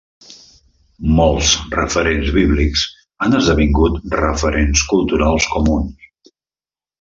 Molts referents bíblics han esdevingut referents culturals comuns.